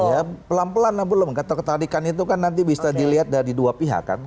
iya pelan pelan lah belum ketua ketarikan itu kan nanti bisa dilihat dari dua pihak kan